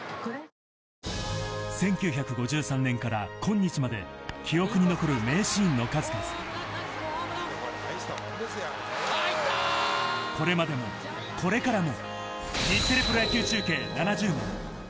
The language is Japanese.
１９５３年から今日まで記録に残る名シーンの数々、これまでも、これからも、日テレプロ野球中継７０年。